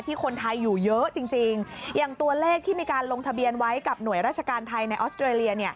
คนไทยอยู่เยอะจริงอย่างตัวเลขที่มีการลงทะเบียนไว้กับหน่วยราชการไทยในออสเตรเลีย